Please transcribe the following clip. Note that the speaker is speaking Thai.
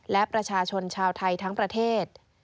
และประชาชนชาวไทยทั้งประเทศ